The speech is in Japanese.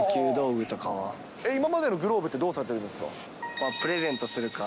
今までのグローブってどうさプレゼントするか。